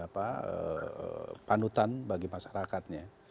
panutan bagi masyarakatnya